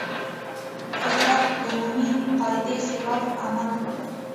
قدرت عمومي قاعدې خلاف عمل کړی.